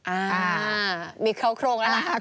อ้าวมีเคราะห์โครงแล้ว